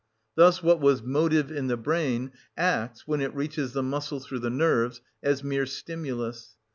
Thus what was motive in the brain acts, when it reaches the muscle through the nerves, as mere stimulus.